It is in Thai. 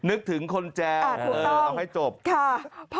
นึกถึงคนแจ๋วเออเอาให้จบอ่าถูกต้องค่ะ